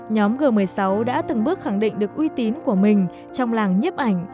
nhóm g một mươi sáu đã từng bước khẳng định được uy tín của mình trong làng nhếp ảnh